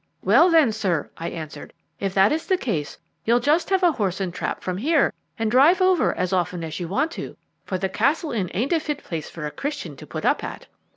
"'Well, then, sir,' I answered, 'if that is the case, you'll just have a horse and trap from here and drive over as often as you want to. For the Castle Inn ain't a fit place for a Christian to put up at.'